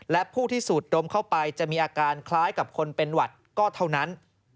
และผู้ที่สูดดมเข้าไปจะมีอาการคล้ายกับคนเป็นหวัดก็เท่านั้น